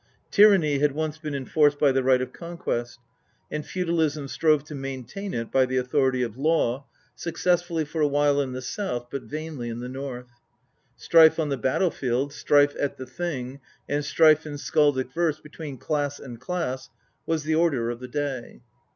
Tyranny had once been enforced by the right of conquest, and feudalism strove to maintain it by the authority of law, successfully for a while in the South, but vainly in the North. Strife on the battlefield, strife at the Thing, and strife in skaldic verse between class and class was the order of the day.